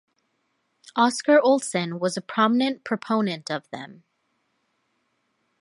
Oscar Olsson was a prominent proponent of them.